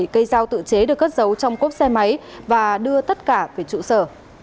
bảy cây dao tự chế được cất giấu trong cốp xe máy và đưa tất cả về trụ sở